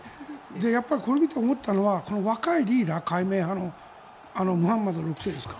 やっぱりこれを見て思ったのは若いリーダー、開明派のムハンマド６世ですか。